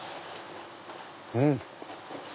うん！